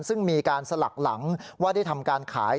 ซึ่งมีการสลักหลังว่าได้ทำการขาย